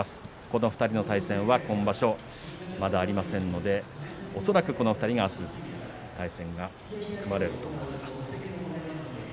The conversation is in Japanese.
この２人の対戦は今場所まだありませんので恐らくこの２人が明日対戦が組まれると思います。